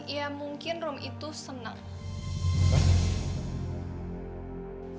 ya mungkin rom itu seneng